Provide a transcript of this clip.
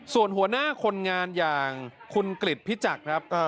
ส่วนหัวหน้าคนงานอย่างคุณกริจพิจักรครับ